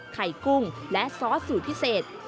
กุ้งและซอสสูตรพิเศษ